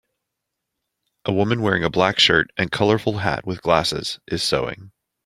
A woman wearing a black shirt and colorful hat with glasses, is sewing.